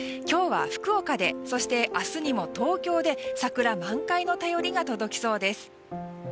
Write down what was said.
今日は福岡で、明日は東京で桜満開の便りが届きそうです。